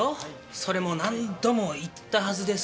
それも何度も言ったはずです。